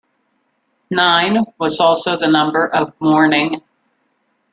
Nine was also the number of mourning.